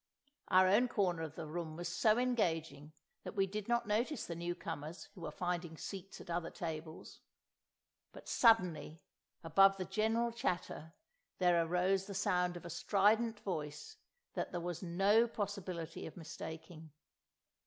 Our own corner of the room was so engaging that we did not notice the newcomers who were finding seats at other tables. But suddenly, above the general chatter, there arose the sound of a strident voice that there was no possibility of mistaking.